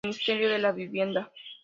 Ministerio de la Vivienda.